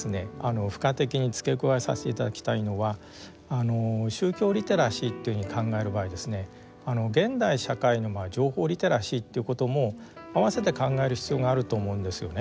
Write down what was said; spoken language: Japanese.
付加的に付け加えさせていただきたいのは宗教リテラシーというふうに考える場合ですね現代社会の情報リテラシーということも併せて考える必要があると思うんですよね。